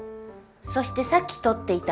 そしてさっき撮っていた